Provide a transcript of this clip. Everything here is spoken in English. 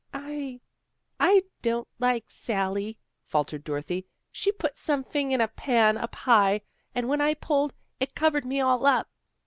" I I don't like Sally," faltered Dorothy. " She put somefing in a pan, up high. And when I pulled, it covered me all up."